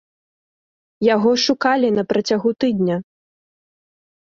Яго шукалі на працягу тыдня.